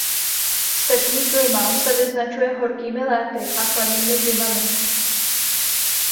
Stepní klima se vyznačuje horkými léty a chladnými zimami.